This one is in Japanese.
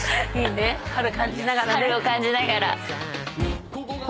春感じながらね。